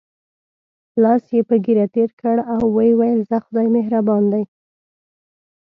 لاس یې په ږیره تېر کړ او وویل: ځه خدای مهربان دی.